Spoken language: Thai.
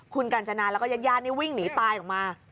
คุณกัญจนาแล้วก็ญาติญาตินี่วิ่งหนีตายออกมา